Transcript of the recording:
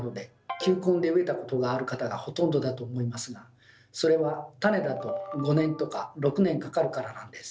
球根で植えたことがある方がほとんどだと思いますがそれは種だと５年とか６年かかるからなんです。